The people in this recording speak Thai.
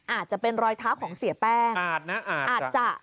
อาจจะเป็นรอยเท้าของเสียแป้งอาจจะ